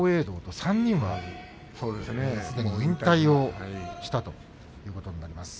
３人はすでに引退をしたということになります。